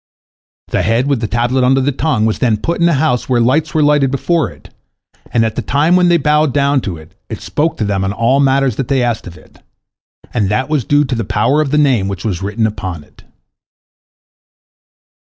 The head with the tablet under the tongue was then put in a house where lights were lighted before it, and at the time when they bowed down to it, it spoke to them on all matters that they asked of it, and that was due to the power of the Name which was written upon it.